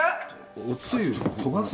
おつゆ飛ばすな。